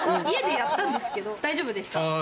家でやったんですけど大丈夫でした。